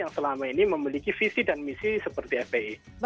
yang selama ini memiliki visi dan misi seperti fpi